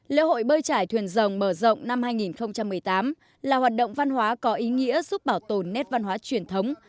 lễ hội bơi trải thuyền rồng mở rộng năm hai nghìn một mươi tám là hoạt động văn hóa có ý nghĩa giúp bảo tồn nét văn hóa truyền thống